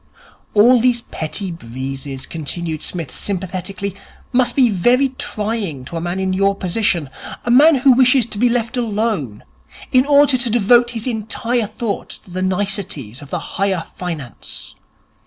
'All these petty breezes,' continued Psmith sympathetically, 'must be very trying to a man in your position, a man who wishes to be left alone in order to devote his entire thought to the niceties of the higher Finance.